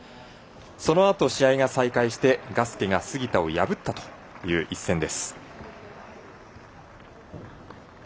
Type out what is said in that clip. そのあと試合が再開してガスケが杉田を破ったという試合です。